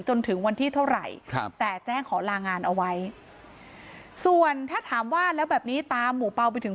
จนถึงวันที่เท่าไหร่แต่แจ้งขอลางานเอาไว้ส่วนถ้าถามว่าแล้วแบบนี้ตามหมู่เปล่าไปถึง